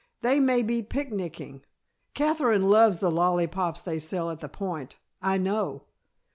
They may be picnicking. Katherine loves the lollypops they sell at the Point I know."